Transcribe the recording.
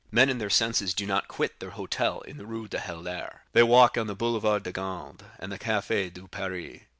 Men in their senses do not quit their hotel in the Rue du Helder, their walk on the Boulevard de Gand, and the Café de Paris."